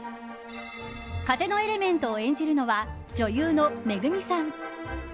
風のエレメントを演じるのは女優のＭＥＧＵＭＩさん。